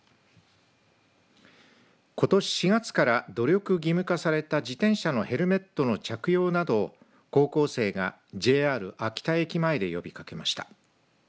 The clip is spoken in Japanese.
ことし４月から努力義務化された自転車のヘルメットの着用などを高校生がＪＲ秋田駅前で呼びかけました。